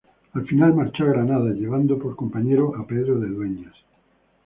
Al final marchó a Granada llevando de compañero a Pedro de Dueñas.